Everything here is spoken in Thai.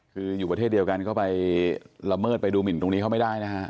คืออยู่ประเทศเดียวกันก็ไปละเมิดไปดูหมินตรงนี้เขาไม่ได้นะฮะ